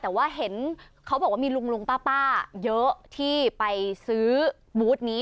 แต่ว่าเห็นเขาบอกว่ามีลุงป้าเยอะที่ไปซื้อบูธนี้